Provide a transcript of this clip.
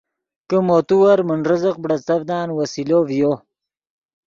کہ مو تیور من رزق بڑیڅڤدان وسیلو ڤیو